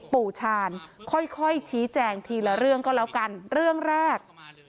ชาญค่อยชี้แจงทีละเรื่องก็แล้วกันเรื่องแรก